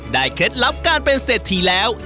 เคล็ดลับการเป็นเศรษฐีแล้ว